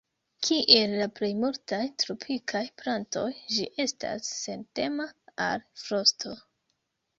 Kiel la plej multaj tropikaj plantoj, ĝi estas sentema al frosto.